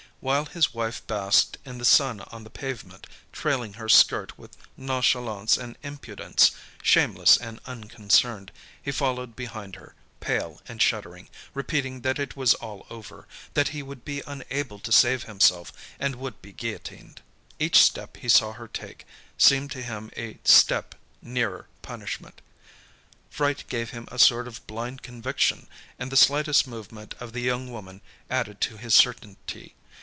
While his wife basked in the sun on the pavement, trailing her skirt with nonchalance and impudence, shameless and unconcerned, he followed behind her, pale and shuddering, repeating that it was all over, that he would be unable to save himself and would be guillotined. Each step he saw her take, seemed to him a step nearer punishment. Fright gave him a sort of blind conviction, and the slightest movement of the young woman added to his certainty.